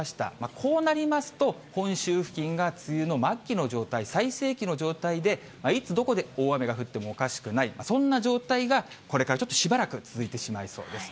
こうなりますと、本州付近が梅雨の末期の状態、最盛期の状態で、いつ、どこで大雨が降ってもおかしくない、そんな状態が、これからちょっとしばらく続いてしまいそうです。